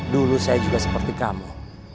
dulu saya juga seperti kamu